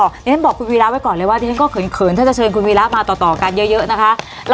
เดี๋ยวฉันบอกคุณวีระไว้ก่อนเลยว่าดิฉันก็เขินถ้าจะเชิญคุณวีระมาต่อกันเยอะนะคะ